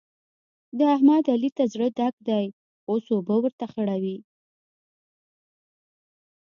د احمد؛ علي ته زړه ډک دی اوس اوبه ورته خړوي.